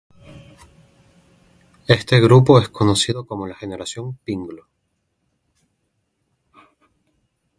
Este grupo es conocido como la "Generación Pinglo".